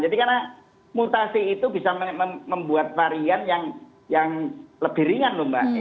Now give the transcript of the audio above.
jadi karena mutasi itu bisa membuat varian yang lebih ringan mbak